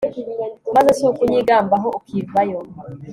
maze si ukunyigambaho, ukivayo